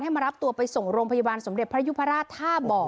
มารับตัวไปส่งโรงพยาบาลสมเด็จพระยุพราชท่าบ่อ